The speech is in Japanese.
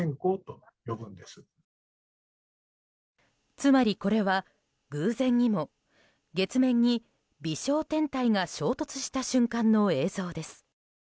つまりこれは偶然にも月面に微小天体が衝突した瞬間の映像です。